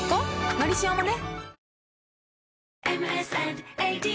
「のりしお」もね